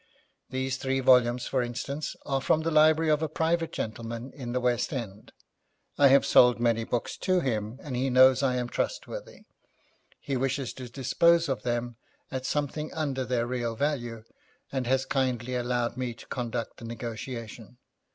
These three volumes, for instance, are from the library of a private gentleman in the West End. I have sold many books to him, and he knows I am trustworthy. He wishes to dispose of them at something under their real value, and has kindly allowed me to conduct the negotiation.